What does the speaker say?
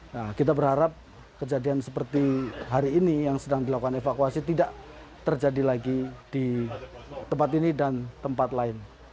nah kita berharap kejadian seperti hari ini yang sedang dilakukan evakuasi tidak terjadi lagi di tempat ini dan tempat lain